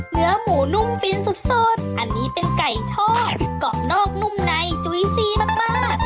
เนื้อหมูนุ่มฟินสุดอันนี้เป็นไก่ทอดกรอบนอกนุ่มในจุ๋ยซีมาก